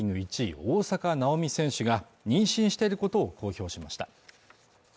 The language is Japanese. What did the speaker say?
大坂なおみ選手が妊娠していることを公表しました